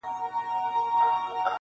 نه محتاج د تاج او ګنج نه د سریر یم-